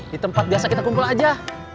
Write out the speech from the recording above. di tempat biasa kita kumpul aja